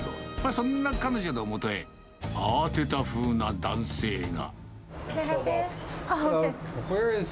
そんな彼女のもとへ、慌てたふうな男性が。